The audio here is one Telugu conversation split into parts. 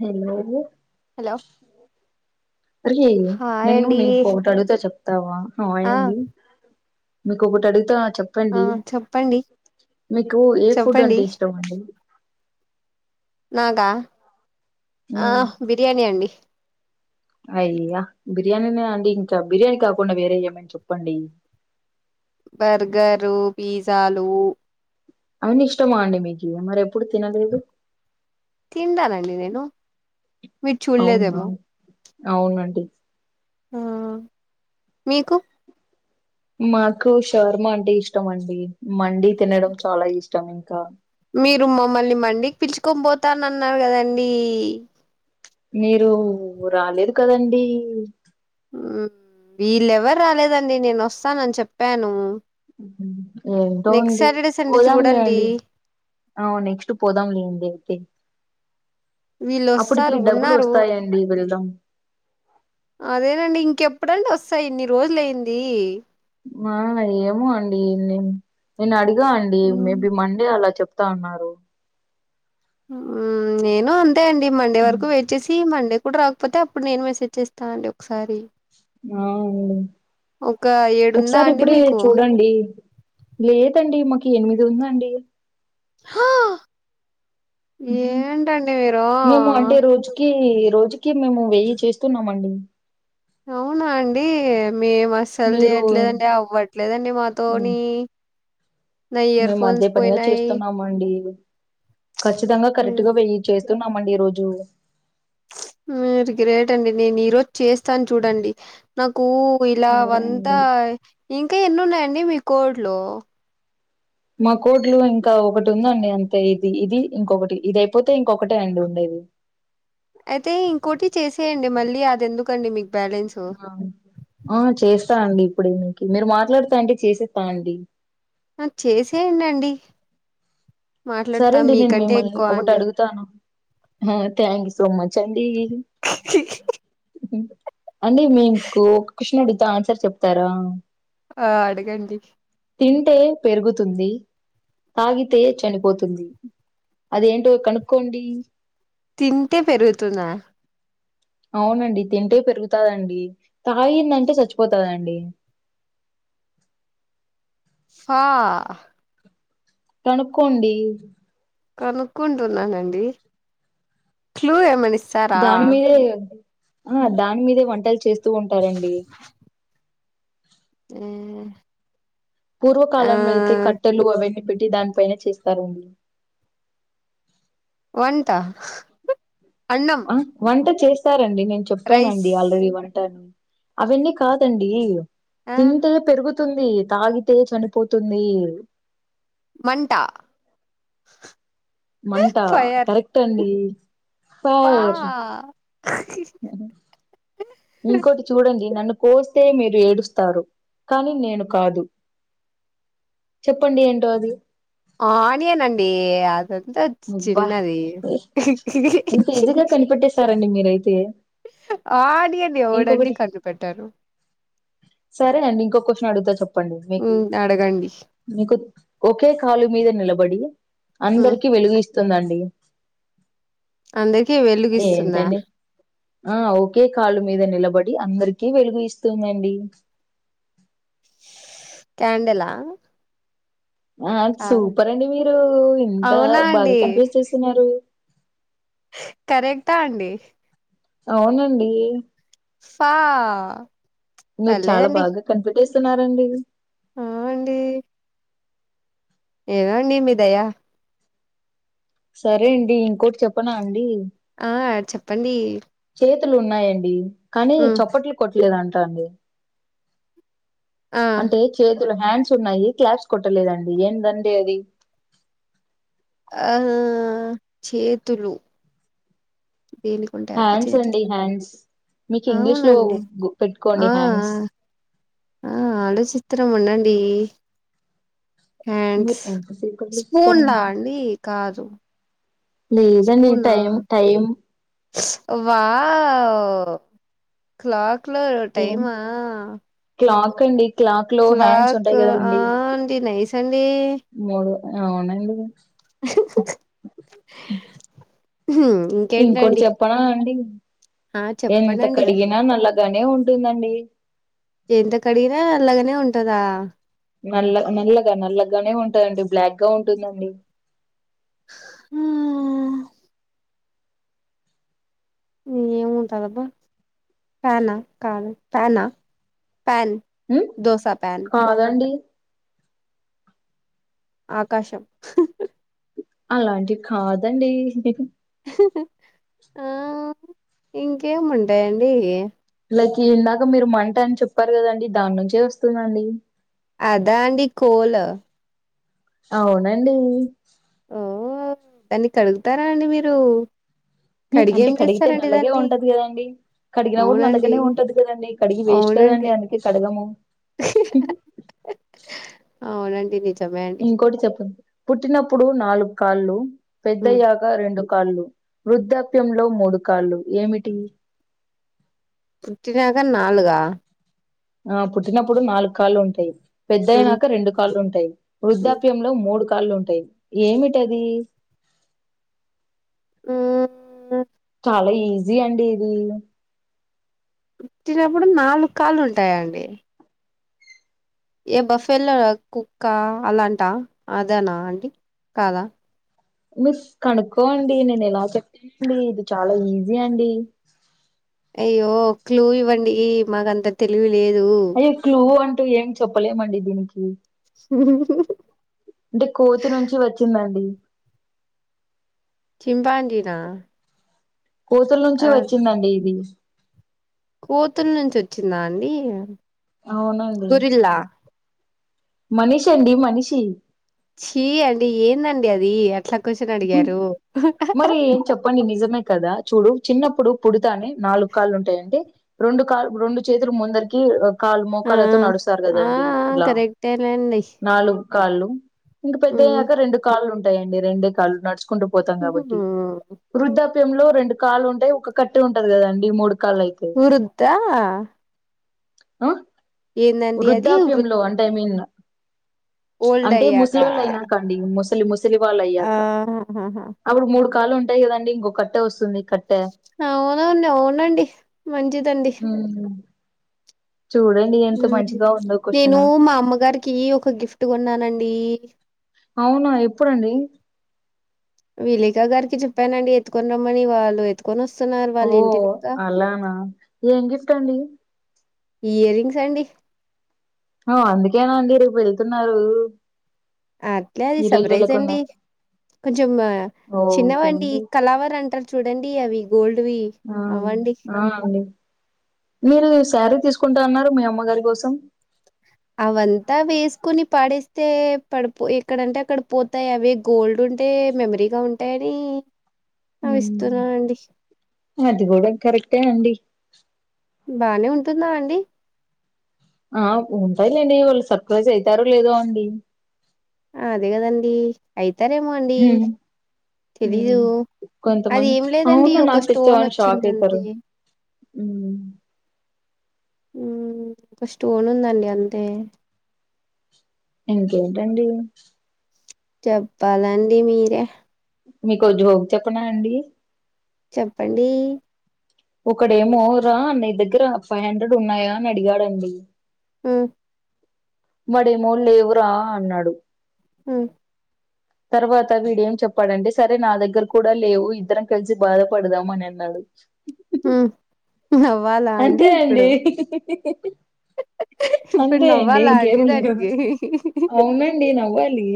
హలో హలో వల్లీ హాయ్ నేన్ను అండి నేన్కోటడుగుత చెప్ తవా ఆయ్ ఆ అండి మీకు ఒకటి అడుగుతా చెప్ ఆ ప్పండి చెప్పండి మీకు ఏ ఫుడ్ చెప్పండి అంటే ఇష్టం అండి నాకా ఆ మ్మ్ బిర్యానీ అండి అయ్యా బిర్యానీనే అండి ఇంకా బిర్యానీ కాకుండా వేరే ఏమన్నా చెప్పండి బర్గరూ పిజాలు అవన్నీ ఇష్టమా అండి మీకీ మరి ఎప్పుడు తినలేదు తిండనండి నేను మీర్ అవునా చూలేదేమో అవునండి ఆ మీకు మాకు షవర్మ అంటే ఇష్టం అండి మండి తినడం చాలా ఇష్టం ఇంకా మీరు మమ్మల్ని మండికి పిల్చుకొని పోతాన్ నన్నార్ కదండీ మీరు రాలేదు కదండీ మ్మ్ వీళ్ళెవర్ రాలేదండి నేను వస్తానని చెప్పాను మ్ హు ఎంటో నెక్స్ట్ అండి సాటర్డే సండే పోదాంలే చూడండి అండి ఆ నెక్స్ట్ పోదాం లేండి అయితే వీళ్ళు అప్పటికి వస్తారు డబ్బులు ఉన్నారు వస్తాయండి వెళ్దాం అదేనండి ఇంకెప్పుడండి వస్తాయి ఇన్ని రోజులయిందీ ఆ ఏమో అండి నే నేనడిగా అండి ఉమ్ మేబి మండే అలా చెప్ ప్తా అన్నారు అమ్ నేను అంతే అండి మండే వరకు వెయిట్ వచ్చేసి మండే కూడ రాకపోతే అప్పుడు నేను మెసేజ్ చేస్తా అండి ఒకసారి ఆ ఒక ఏడుందా ఒకసారి అండి ఇప్పుడే మీకు చూడండి లేదండి మాకు ఎనిమిది ఉందండి హా! ఏంటండి మీరు మేము అంటే రోజుకి రోజుకి మేము వెయ్యి చేస్తున్నామ్ అండి అవునా అండీ మేం అస్సలు మీరు చేయట్లేదండి అవ్వట్లేదండి ఉమ్, మాతోని మేము అదే పనిగా చేస్తున్నామండి ఖచ్చితంగా కరెక్ట్ మ్మ్. గా వెయ్ చేస్తున్నామండి రోజు మీరు గ్రేట్ అండి నేను ఈ రోజు చేస్తను చూడండి నాకు ఇల సరే అవంతా అండి ఇంకా ఎన్నిన్నాయండి మీ కోడ్లో మా కోడ్లో ఇంకా ఒకటి ఉందండి అంతే ఇది ఇది ఇంకొకటి ఇది అయిపోతే ఇంకొకటే అండి ఉండేది అయితే ఇంకోటి చేసేయండి మళ్ళీ అది ఎందుకుండి మీకు బ్యాలెన్సు ఆ చేస్త అండి ఇప్పుడే మికి మీరు మాట్లాడతా అంటే చేసేస్త అండి హా చేసేయండండి మాట్లాడతా సరేండి నేను మీకంటే మిమ్మల్ని ఎక్కువ ఒకటి అండి అడుగుతాను థ్యాంక్ యు సో మచ్ అండి ఖీ ఖి అంటే మీకు ఒక క్వశ్చన్ అడుగుతా ఆన్సర్ చెప్తార ఆ అడగండి తింటే పెరుగుతుంది తాగితే చెనిపో [unintelligible] [unintelligible] అదేంటో కనుక్కోండి తింటే పెరుగుతుందా అవునండి తింటే పెరుగుతదండి తాగిందంటే చచ్చిపోతదండి ఫా కనుక్కోండి కనుక్కుంటున్నానండి క్లూ ఎమైనా [unintelligible] దాని మీదే ఆ దాని మీదే వంటలు చేస్తూ ఉంటారండి [unintelligible] ఉ పూర్వకాలంలో అయితే కట్టెలు అవన్నీ పెట్టి దానిపైన చేస్తారు అండి వంట అన్నం ఆ వంట చేస్తారండి నేను రైస్ చెప్పానండి ఆల్రెడీ వంట అవన్నీ కాదండి ఆ తింటే పెరుగుతుంది తాగితే చనిపోతుంది మంట మంట కరెక్ట్ అండి ఫా అ ఇంకోటి చూడండి నన్ను కోస్తే మీరు ఏడుస్తారు కానీ నేను కాదు చెప్పండి ఏంటో అది ఆ ఆనియన్ అండి అదంత అబ్బా చిన్నది [unintelligible] కనిపెట్టేేశారండి మీరైతే ఆనియన్ ఎవడండి ఇంకొకటి కని పెట్టరు సరే అండి ఇంకొ క్యూస్షన్ అడుగుత చెప్పండి మీకు హ్మ్. అడగండి నీకు ఒకే కాలు మీద నిలబడి ఉ అందర్ వెలుగీస్తుందండి అందరికి వెలుగిస్తుందా ఏంటండి ఆ ఓకే కాలు మీద నిలబడి అందరికీ వెలుగు ఇస్తుందండి క్యాండెల ఆ సూపర్ అండి మీరు ఇంత అవునా అండి బాగా కన్ఫ్యూజ్ చేస్తున్నారు కరెక్టా అండి అవునండి ఫా మీరు చాలా పర్లేదండి బాగా కనిపెట్టేస్తున్నారండి ఆ అండి ఏదో అండి మీ దయ సరే అండి ఇంకోటి చెప్పనా అండి ఆ చెప్పండి చేతులు ఉన్నాయండి కానీ ఉమ్ చప్పట్లు కొట్టలేదు అంటారు ఆ అంటే చేతులు హ్యాండ్స్ ఉన్నాయి క్లాబ్స్ కొట్టలేదండి ఏందండి అది ఆ చేతులు దేనికుంటై అబ్బా హ్యాండ్స్ చేతులు అండి హ్యాండ్స్ మీకు ఇంగ్లీష్ లో అవునండి గు- పెట్టుకోండి ఆ అ హ్యాండ్స్ ఆ ఆలోచిత్రం ఉండండి హ్యాండ్స్ మీరు ఎంతసేపు అట్లా స్పూన్ లా చూస్తారండి అండి కాదు లేదండి spoon time time is wow clock లో ఏం టైమా క్లాక్ అండి క్లాక్ లో హ్యాండ్స్ క్లాక్ ఉంటాయి ఆ కదండి అండి నైస అండి మూడు అవునండి హు ఇంకోటి చెప్పనా అండి ఆ ఎంత చెప్పడండి కడిగినా నల్లగానే ఉంటుందండి ఎంత కడిగినా అల్లగనే ఉంటదా నల్ల నల్లగా నల్లగానే ఉంట దండి బ్లాక్ గా ఉంటుందండి హా ఏముంటదబ్బ ఫాన్ న కాదు ఫాన్ న ఫ్యాన్ మ్మ్ కాదండి ఆకాశం అలాంటివి కాదండి ఆ ఇంకేముంటాయండి లకి ఇందాక మీరు మంట అని చెప్పారు కదండి దాని నుంచే వస్తుందండి అదా అండి కోల్ అవునండి ఓ దాన్ని కడుగుతారా అండి మీరు అంటే కడిగేం కడిగితే చేస్తారండి నల్లగే దాన్ని ఉంటది కదండి కడిగినా కూడా అవునండి నల్లగనే ఉంటది కదండి కడిగి వేస్ట్ అవునండి కదండి అందుకే కడగము అవునండి నిజ ఇంకోటి చెప్పండి పుట్టినప్పుడు నాలుగు కాళ్ళు ఉ పెద్దయ ఆ రెండు కాళ్లు వృద్ధాప్యంలో మూడు కాళ్ళు ఏమిటి పుట్టినాక నాలుగా ఆ పుట్టినప్పుడు నాలుగు కాళ్ళు ఉంటాయి ఉమ్ పెద్దయినాక రెండు కాళ్ళు ఉంటాయి వృద్ధాప్యం లో మూడు కాళ్ళు ఉంటాయి ఏమిటి అది [unintelligible] ఆ చాలా ఈజీ అండి ఇది పుట్టినప్పుడు నాలుగు కాళ్ళు ఉంటాయ అండి ఏ బఫెలో కుక్క అలాంటా అదేనా అండి కాదా మీరు కనుక్కోండి నేను ఎలా చెప్పాండి [unintelligible] ఇది చాలా ఈజీ అండి అయ్యో క్లూ ఇవ్వండి మాకంత తెలివి లేదు అయ్యో క్లూ అంటూ ఏం చెప్పలేమండి దీనికి అంటే కోతి నుంచి వచ్చిందండి చింపాంజిన కోతుల నుంచి వచ్చిందండి ఇది కోతుల నుంచి వచ్చిందా అండి అవునండి గొరిల్లా మనిషి అండి మనిషి చీ అండి ఏందండి అది అట్లా క్యూషన్ అడిగారు పోని నిజమే కదా చూడు చిన్నప్పుడు పుడతానే నాలుగు కాళ్ళు ఉంటాయండి రెండు కాల్ రెండు చేతులు ముందరికి కాలు ఆ మోకాలు నడుస్తారు ఆ ఆ కదండి ఇలా కరెక్టేనండి నాలుగు కాళ్ళు ఇంక పెద్దయ్యాక రెండు కాళ్ళు ఉంటాయండి రెండే కాళ్ళు నట్ కుంటూ పోతాం కాబట్టి వృద్ధాప్యంలో రెండు కాలు ఉంటాయి ఒక కట్ట ఉంటది కదండి మూడు కాళ్లు అయితే వృద్ద్ ఆ ఏందండి అది వృ వృద్ధాప్యంలో అంటే ఐ మీన్ ఓల్డ్ అంటే అయ్యాక ముసలోలు అయినాక ముసలి ముసలి వాళ్ళు అయ్యాక ఆహాహా అప్పుడు మూడు కాలు ఉంట టయి కదండి ఇంకొకట్ట వస్తుంది కట్టె అవునండి అవునండి మంచిది వు హమ్ చూడే ఉం నేను మా అమ్మగారికి ఒక గిఫ్ట్ కొన్నానండి అవునా ఎప్పుడండి విలేకా గారికి చెప్పానండి ఎత్తుకొని రమ్మని వాళ్ళు కొనస్తున్నారు ఓ అలానా ఏం గిఫ్ట్ అండి ఇయర్ రింగ్స్ అండి ఆ అందుకేనా అండి రేపు వెళ్తున్నారు అట్లే అది ఈ రోజు సర్ప్రైజ్ అండి వెళ్ళకుండా కొంచెం ఓకే చిన్నవండి అండి కళావర అంటారు చూడండి అవి గోల్డ్వి ఆ అవ్వండి ఆ అండి మీరు శారీ తీసుకుంటా అన్నారు మీ అమ్మగారి కోసం అవంతా వేసుకొని పడేస్తే పడిపో ఎక్కడంటే అక్కడ పోతాయి తే అవే గోల్డ్ ఉంటే మెమరీగా ఉంటాయని అవి మ్మ్ ఇస్తున్నాండి అది కూడా కరెక్టే అండి బానే ఉంటుందా అండి ఆ ఉంటాయిలేండి వాళ్ళు సర్ప్రైజ్ అవుతారో లేదో అండి అదే కదండి అయితారేమో అండి తెలీదు. ఉం అది కొంతమంది ఏం లేదండి అవును ఒక నాకు తెచ్చావా స్టోన్ అని షాక్ అయితరు వచ్చిందంతే. ఉం ఉం ఒక స్టోన్ ఉందండి అంతే ఇంకేంటండి చెప్పాలండి మీరే మీకో జోక్ చెప్పనా అండి చెప్పండీ ఒకడేమో రా నీ దగ్గర ఫైవ్ హండ్రెడ్ ఉన్నాయా అని అడిగాడండి ఉమ్మ్ వాడేమో లేవురా అన్నాడు ఉమ్మ్ తర్వాత వీడేం చెప్పాడంటే సరే నా దగ్గర కూడా లేవు ఇద్దరం కలిసి బాధపడదాం అని అన్నాడు ఉమ్మ్ నవ్వాలా అండి ఇప్పుడు ఇప్పుడు అంతే అండి నవ్వాలా ఇంకేమీ లేదు దానికి? అవునండి నవ్వాలీ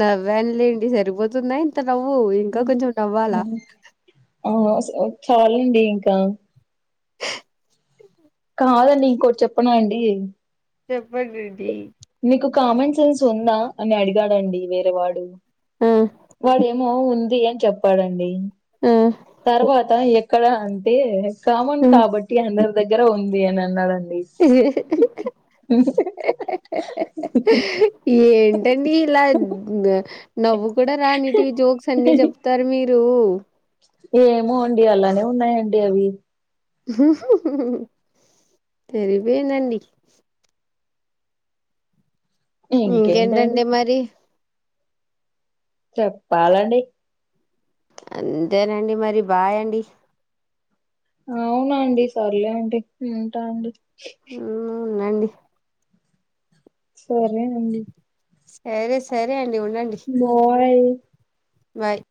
నవ్వానులేండి సరిపోతుందా ఇంత నవ్వు ఇంకా కొంచెం ఆ నవ్వాలా ఆ స చాలండి ఇంకా కాదండి ఇంకోటి చెప్పనా అండి చెప్పండి అండి మీకు కామన్ సెన్స్ ఉందా అని అడిగాడండి వేరే వాడు ఉమ్మ్ వాడేమో ఉంది అని చెప్పాడండి ఉమ్మ్ తర్వాత ఎక్కడ అంటే కామన్ కాబ ట్టి అందరి దగ్గర ఉంది అని అన్నాడండి హేహేహే ఏంటండి ఇలా నవ్వు కూడా రానీటివి జోక్స్ అన్నీ చెప్తారు మీరు ఏమో అండి అలానే ఉన్నాయండి అవి సరిపోయిందండి ఇంకేంటండి మరి చెప్పాలండి అంతేనండి మరి బాయ్ అండి అవునాండి సర్లే అండి ఉంటా అండి ఉమ్మ్ ఉండండి సరే అండి సరే సరే అండి ఉండండి బాయ్ బాయ్